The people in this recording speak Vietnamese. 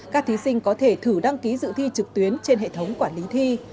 các thí sinh có thể thử đăng ký dự thi trực tuyến trên hệ thống quản lý thi